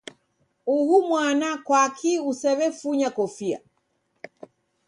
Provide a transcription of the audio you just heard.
Uhu mwana kwakii usew'efunya kofia?